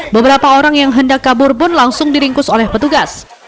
beberapa orang yang hendak kabur pun langsung diringkus oleh petugas